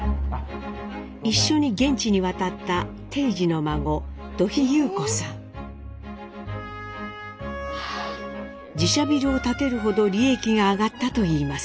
一緒に現地に渡った自社ビルを建てるほど利益が上がったといいます。